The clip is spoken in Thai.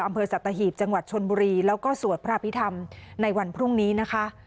อำเภอสัตหีบจังหวัดชนบุรีแล้วก็สวดพระพิธรรมในวันพรุ่งนี้นะคะ